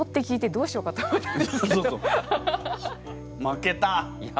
負けた！